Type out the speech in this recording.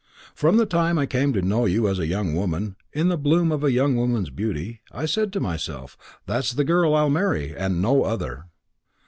From the time I came to know you as a young woman, in the bloom of a young woman's beauty, I said to myself, 'That's the girl I'll marry, and no other.'